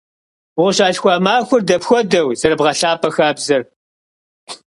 Укъыщалъхуа махуэр дапхуэдэу зэрыбгъэлъапӏэ хабзэр?